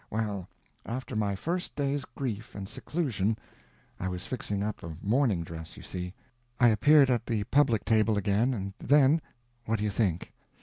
Well, after my first day's grief and seclusion—I was fixing up a mourning dress you see—I appeared at the public table again, and then—what do you think?